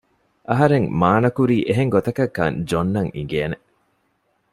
އަހަރެން މާނަ ކުރީ އެހެން ގޮތަކަށް ކަން ޖޮން އަށް އިނގޭނެ